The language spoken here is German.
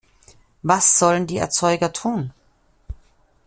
Was sollen die Erzeuger tun?